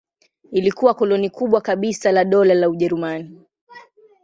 Ilikuwa koloni kubwa kabisa la Dola la Ujerumani.